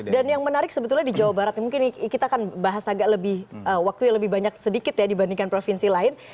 dan yang menarik sebetulnya di jawa barat mungkin kita akan bahas agak lebih waktu lebih banyak sedikit ya dibandingkan provinsi lain